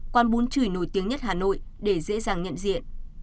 quán bún chửi nổi tiếng nhất hà nội để dễ dàng nhận diện